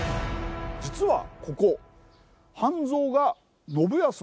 実はここ。